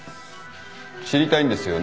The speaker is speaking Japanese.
知りたいんですよね？